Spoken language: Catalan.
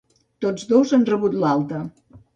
Tots dos han rebut l’alta.